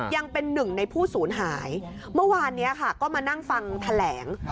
ยังเป็นหนึ่งในผู้ศูนย์หายเมื่อวานนี้ค่ะก็มานั่งฟังแถลง